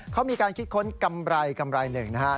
เขามีการคิดค้นกำไรกำไรหนึ่งนะครับ